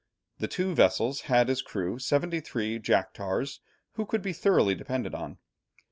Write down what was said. The two vessels had as crew seventy three jack tars, who could be thoroughly depended on.